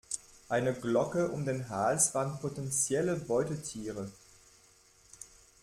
Eine Glocke um den Hals warnt potenzielle Beutetiere.